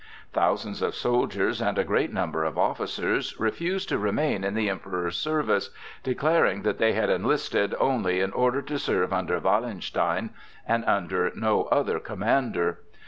Thousands of soldiers and a great number of officers refused to remain in the Emperor's service, declaring that they had enlisted only in order to serve under Wallenstein and under no other commander.